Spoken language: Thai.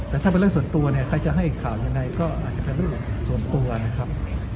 แต่ถ้าเป็นเรื่องส่วนตัวเนี่ยใครจะให้ข่าวยังไงก็อาจจะเป็นเรื่องส่วนตัวนะครับ